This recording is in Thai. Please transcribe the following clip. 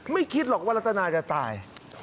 คิดหรอกว่ารัตนาจะตาย